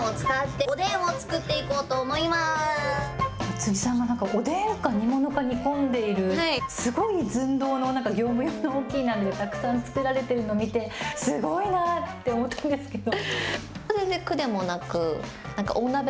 辻さんは、おでんか煮物か煮込んでいる、すごい寸胴のなんか業務用の大きい鍋をたくさん作られているのを見て、すごいなって思ったんですけど。